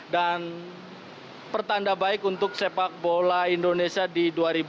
dan pertanda baik untuk sepak bola indonesia di dua ribu tujuh belas